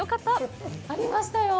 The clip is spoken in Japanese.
ありましたよ。